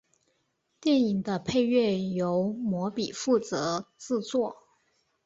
电影的配乐由魔比负责制作。